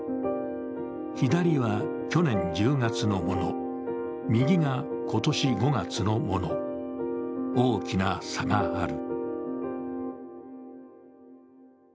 左は去年１０月のもの、右が今年５月のもの、大きな差がある。